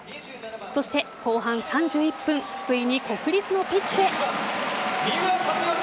そして後半３１分ついに国立のピッチへ。